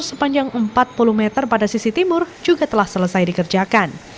sepanjang empat puluh meter pada sisi timur juga telah selesai dikerjakan